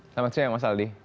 selamat siang mas aldi